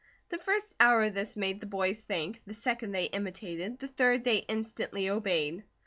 The first hour of this made the boys think, the second they imitated, the third they instantly obeyed.